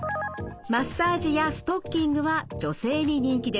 マッサージやストッキングは女性に人気です。